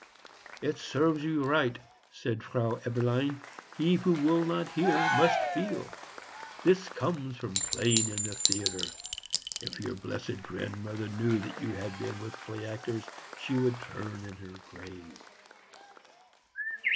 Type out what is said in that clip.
"It serves you right," said Frau Eberlein. "He who will not hear must feel. This comes from playing in the theatre. If your blessed grandmother knew that you had been with play actors she would turn in her grave."